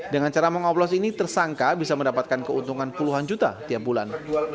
dengan cara mengoblos ini tersangka bisa mendapatkan keuntungan puluhan juta tiap bulan